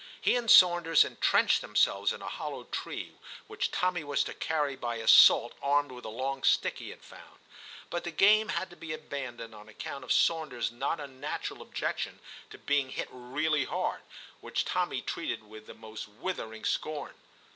He and Sawnders entrenched themselves in a hollow tree which Tommy was to carry by assault armed with a long stick he had found ; but the game had to be abandoned on account of Sawnders's not unnatural objection to being hit really hard, which Tommy treated with the most withering scorn.